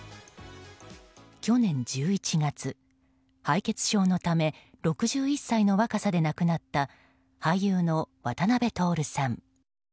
去年１１月、敗血症のため６１歳の若さで亡くなった俳優の渡辺徹さん。